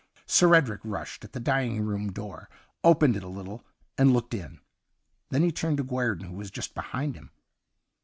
Sir Edric rushed at the dining room door, opened it a httle, and looked in. Then he turned to Guerdon, who was just behind him.